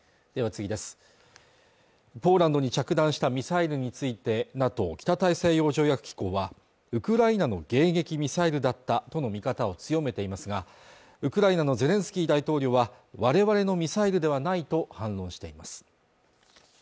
ポーランドに着弾したミサイルについてＮＡＴＯ＝北大西洋条約機構はウクライナの迎撃ミサイルだったとの見方を強めていますがウクライナのゼレンスキー大統領はわれわれのミサイルではないと反論しています